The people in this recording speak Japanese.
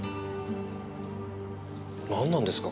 なんなんですか？